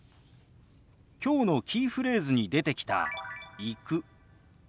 きょうのキーフレーズに出てきた「行く」。